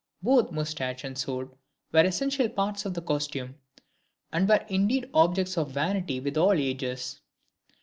Both moustache and sword were essential parts of the costume, and were indeed objects of vanity with all ages.